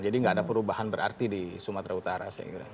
jadi tidak ada perubahan berarti di sumatera utara saya kira